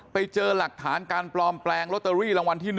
ไปเจอหลักฐานการปลอมแปลงลอตเตอรี่รางวัลที่๑